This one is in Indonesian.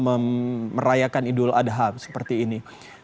merayakan idul adha seperti ini